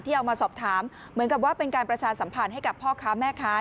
เอามาสอบถามเหมือนกับว่าเป็นการประชาสัมพันธ์ให้กับพ่อค้าแม่ค้า